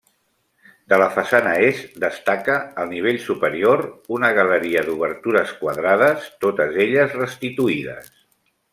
De la façana est destaca, al nivell superior, una galeria d'obertures quadrades, totes elles restituïdes.